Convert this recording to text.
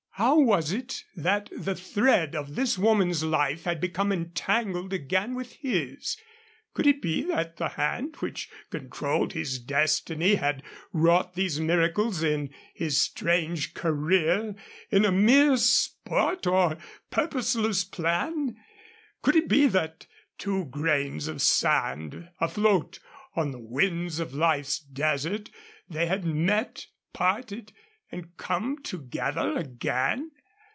How was it that the thread of this woman's life had become entangled again with his? Could it be that the hand which controlled his destiny had wrought these miracles in his strange career in a mere sport or purposeless plan? Could it be that, two grains of sand afloat on the winds of life's desert, they had met, parted, and come together again?